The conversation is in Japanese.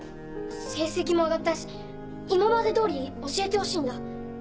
成績も上がったし今まで通り教えてほしいんだ。